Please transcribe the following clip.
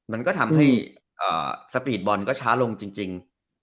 มันก็ทำให้สปีดบอลก็ช้าลงจริง